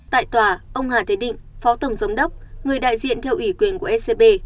tại tòa ông hà thế định phó tổng giám đốc người đại diện theo ủy quyền của ecb